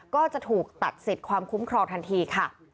ก็จะถูกตัดสิทธิ์ความคุ้มครองทันทีค่ะ